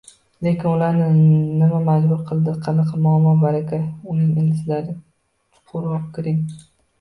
Lekin ularni nima majbur qildi? Qanaqa muammo? Baraka, uning ildizlariga chuqurroq kiring